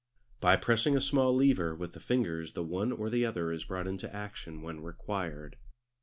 By pressing a small lever with the fingers the one or the other is brought into action when required.